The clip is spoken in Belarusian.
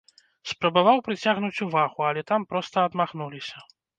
Спрабаваў прыцягнуць увагу, але там проста адмахнуліся.